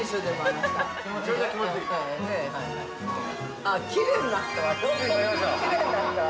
ああ、きれいになったわよ。